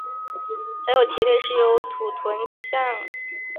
假有蹄类是由土豚及象鼩组成。